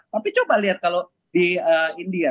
tapi coba lihat kalau di india